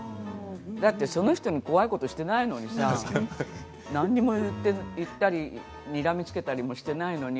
だって、その人に怖いことしてないのにさあ何も言ったりにらみつけたりもしていないのに。